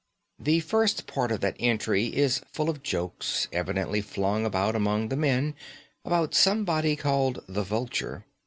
The first part of that entry is full of jokes, evidently flung about among the men, about somebody called the Vulture.